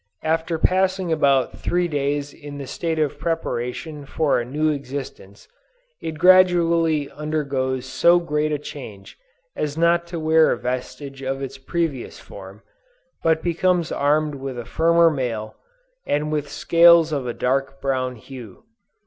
After passing about three days in this state of preparation for a new existence, it gradually undergoes so great a change as not to wear a vestige of its previous form, but becomes armed with a firmer mail, and with scales of a dark brown hue.